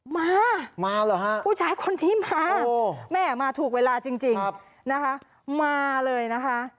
มาผู้ชายคนนี้มาแม่มาถูกเวลาจริงนะคะมาเลยนะคะ